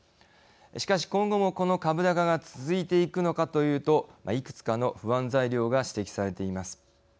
しかし、今後もこの株高が続いていくのかというといくつかの不安材料が指摘されています。